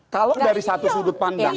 kalau dari satu sudut pandang